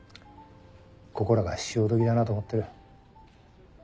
ここらが潮時だなと思ってる。